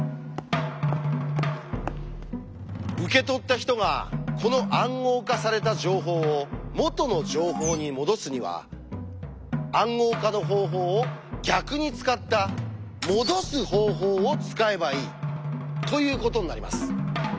受け取った人がこの「暗号化された情報」を「元の情報」にもどすには「暗号化の方法」を逆に使った「もどす方法」を使えばいいということになります。